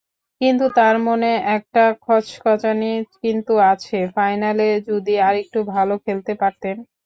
কিন্তু তাঁর মনে একটা খচখচানি কিন্তু আছে—ফাইনালে যদি আরেকটু ভালো খেলতে পারতেন।